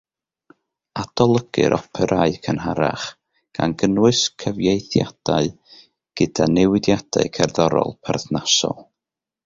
Adolygir operâu cynharach, gan gynnwys cyfieithiadau gyda newidiadau cerddorol perthnasol.